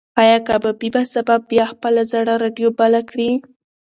ایا کبابي به سبا بیا خپله زړه راډیو بله کړي؟